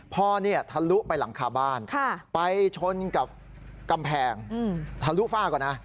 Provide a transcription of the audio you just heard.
พ่อเนี่ยทะลุไปหลังคาบ้านไปชนกับกำแพงทะลุฝ้าก่อนนะ